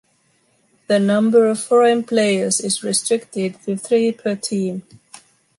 The number of foreign players is restricted to three per team.